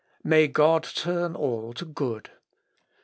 May God turn all to good.